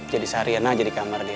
jadi sariana aja di kamar dia